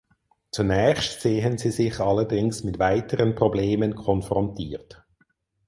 Zunächst sehen sie sich allerdings mit weiteren Problemen konfrontiert.